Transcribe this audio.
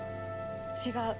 違う。